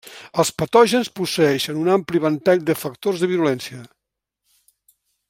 Els patògens posseeixen un ampli ventall de factors de virulència.